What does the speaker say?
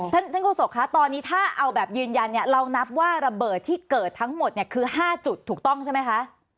ท่านโฆษกคะตอนนี้ถ้าเอาแบบยืนยันเนี่ยเรานับว่าระเบิดที่เกิดทั้งหมดเนี่ยคือ๕จุดถูกต้องใช่ไหมคะ